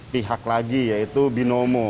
pihak lagi yaitu binomo